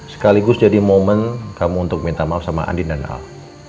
sekaligus jadi momen kamu untuk minta maaf sama andin dan al